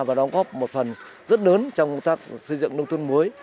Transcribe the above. và đóng góp một phần rất lớn trong công tác xây dựng nông tuân muối